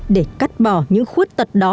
để cắt bỏ những khuyết tật đó